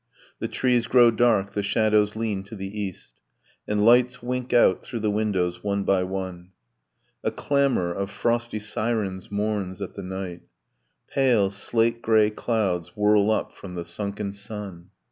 The trees grow dark: the shadows lean to the east: And lights wink out through the windows, one by one. A clamor of frosty sirens mourns at the night. Pale slate grey clouds whirl up from the sunken sun.